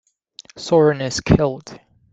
Sorin is killed.